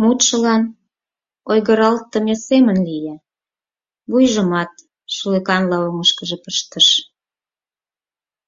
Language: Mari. Мутшылан ойгыралтыме семын лие, вуйжымат шӱлыканла оҥышкыжо пыштыш.